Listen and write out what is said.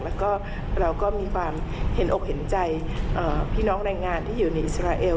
แล้วก็เราก็มีความเห็นอกเห็นใจพี่น้องแรงงานที่อยู่ในอิสราเอล